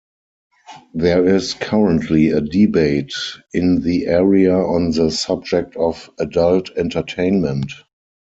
There is currently a debate in the area on the subject of "adult entertainment".